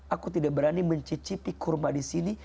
aku tidak berani mencicipi kurma disini